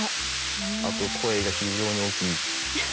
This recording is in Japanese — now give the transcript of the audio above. あと声が非常に大きい。